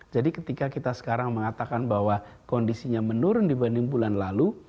jadi ketika kita sekarang mengatakan bahwa kondisinya menurun dibanding bulan lalu